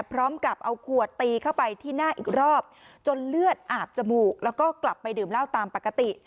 พร้อมกับเอาขวดตีเข้าไปที่หน้าอีกรอบจนเลือดอาบจมูกแล้วก็กลับไปดื่มเหล้าตามปกติ